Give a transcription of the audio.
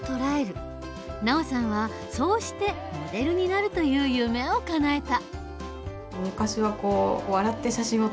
ＮＡＯさんはそうしてモデルになるという夢をかなえた。